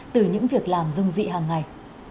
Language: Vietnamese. từ những việc làm dung dị hàng ngày